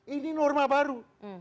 ini norma baru